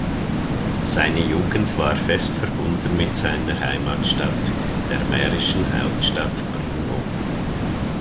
Seine Jugend war fest verbunden mit seiner Heimatstadt, der mährischen Hauptstadt Brno.